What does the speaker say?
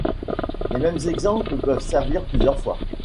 Les mêmes exemples peuvent servir plusieurs fois.